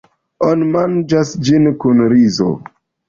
Oni manĝas ĝin kun rizo.